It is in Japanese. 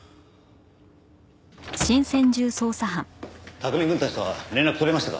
拓海くんたちとは連絡取れましたか？